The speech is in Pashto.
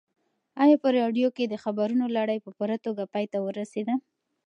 ایا په راډیو کې د خبرونو لړۍ په پوره توګه پای ته ورسېده؟